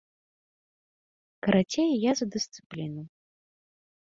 Карацей, я за дысцыпліну.